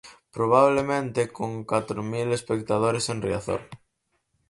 Probablemente con catro mil espectadores en Riazor.